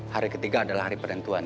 hari ketiga adalah hari penentuan